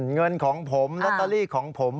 เงินของผมลอตเตอรี่ของผม